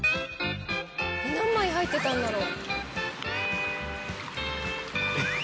何枚入ってたんだろう？